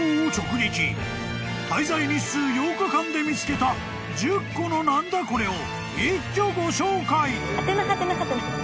［滞在日数８日間で見つけた１０個の何だコレ！？を一挙ご紹介］